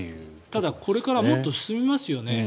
ただ、これからもっと進みますよね。